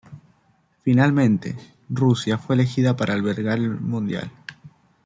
Finalmente, Rusia fue elegida para albergar el Mundial.